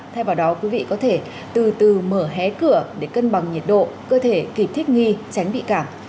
thay vào đó quý vị có thể từ từ mở hé cửa để cân bằng nhiệt độ cơ thể kịp thích nghi tránh bị cảm